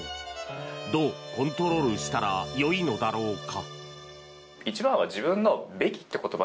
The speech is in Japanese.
どうコントロールしたらよいのだろうか。